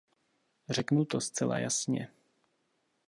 Řeknu to zcela jasně.